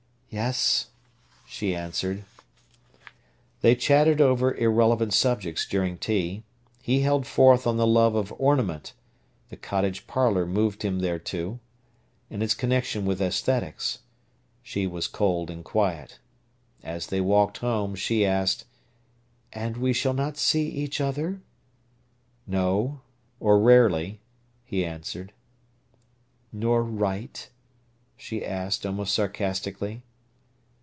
"Yes," she answered. They chattered over irrelevant subjects during tea. He held forth on the love of ornament—the cottage parlour moved him thereto—and its connection with æsthetics. She was cold and quiet. As they walked home, she asked: "And we shall not see each other?" "No—or rarely," he answered. "Nor write?" she asked, almost sarcastically.